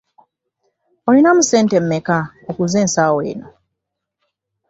Olinamu ssente mmeka nkuguze ensawo eno?